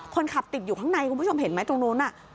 คนขับติดอยู่ข้างในคุณผู้ชมเห็นไหมตรงนู้น